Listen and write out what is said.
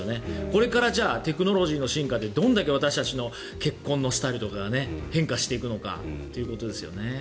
これからじゃあテクノロジーの進化でどれだけ私たちの結婚のスタイルとかが変化していくのかということですよね。